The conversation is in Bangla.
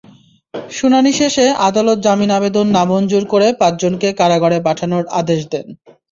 শুনানি শেষে আদালত জামিন আবেদন নামঞ্জুর করে পাঁচজনকে কারাগারে পাঠানোর আদেশ দেন।